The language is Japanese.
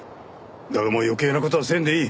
だがもう余計な事はせんでいい。